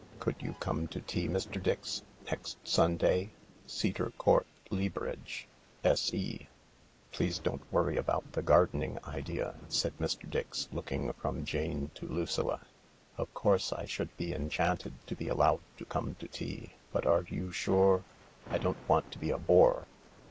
Could you come to tea, Mr. Dix ? Next Sunday ? Cedar Court, Leabridge, S.E." " Please don't worry about the gardening idea," said Mr. Dix, looking from Jane to Lucilla. " Of course I should be enchanted to be allowed to come to tea, but are you sure ... I don't want to be a bore."